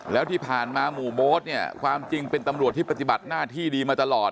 แล้วที่ผ่านมาหมู่โบ๊ทเนี่ยความจริงเป็นตำรวจที่ปฏิบัติหน้าที่ดีมาตลอด